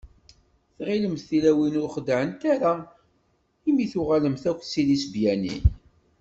Tɣilemt tilawin ur xeddɛent ara imi tuɣalemt akk d tilisbyanin?